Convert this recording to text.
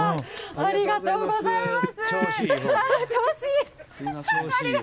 ありがとうございます。